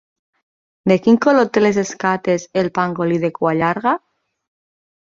De quin color té les escates el Pangolí de cua llarga?